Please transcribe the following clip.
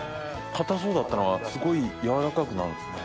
硬そうだったのがすごい軟らかくなるんですね。